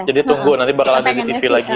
jadi tunggu nanti bakal ada di tv lagi ya